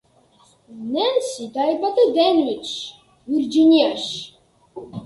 ნენსი დაიბადა დენვილში, ვირჯინიაში.